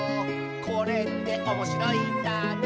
「これっておもしろいんだね」